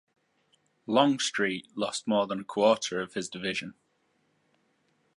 Longstreet lost more than a quarter of his division.